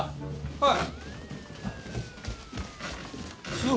はい。